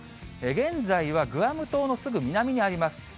現在はグアム島のすぐ南にあります。